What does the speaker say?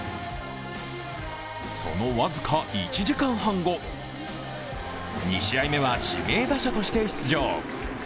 その僅か１時間半後、２試合目は指名打者として出場。